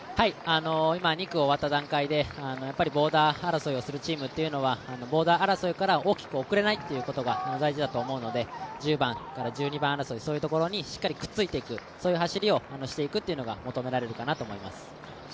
今、２区が終わった段階でボーダー争いをするチームというのはボーダー争いから大きく遅れないことが大事だと思うので１０番から１２番争い、そういうところにくっついていく走りをしていくというのが求められるかなと思います。